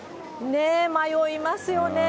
ね、迷いますよね。